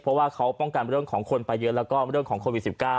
เพราะว่าเขาป้องกันเรื่องของคนไปเยอะแล้วก็เรื่องของโควิด๑๙